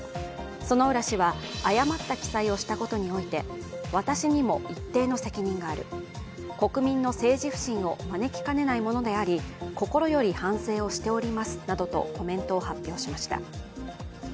薗浦氏は誤った記載をしたことにおいて私にも一定の責任がある国民の政治不信を招きかねないものであり心より反省をしておりますなどとコメントを発表しました。